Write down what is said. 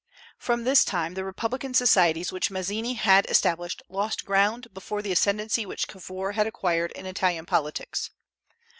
From this time the republican societies which Mazzini had established lost ground before the ascendency which Cavour had acquired in Italian politics.